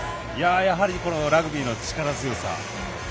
やはりラグビーの力強さ。